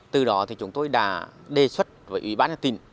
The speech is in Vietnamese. từ đó thì chúng tôi đã đề xuất với ủy ban nhân tỉnh